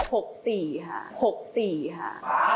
ไปเว้า